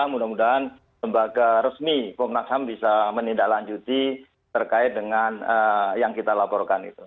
mudah mudahan lembaga resmi komnas ham bisa menindaklanjuti terkait dengan yang kita laporkan itu